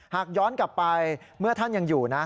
หากย้อนกลับไปเมื่อท่านยังอยู่นะ